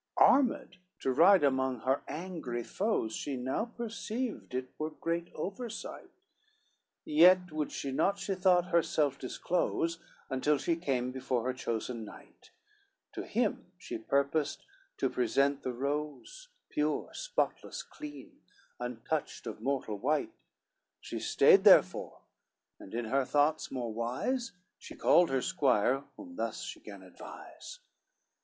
XCVIII Armed to ride among her angry foes, She now perceived it were great oversight, Yet would she not, she thought, herself disclose, Until she came before her chosen knight, To him she purposed to present the rose Pure, spotless, clean, untouched of mortal wight, She stayed therefore, and in her thoughts more wise, She called her squire, whom thus she gan advise.